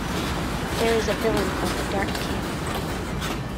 There is a villain called the Dark King.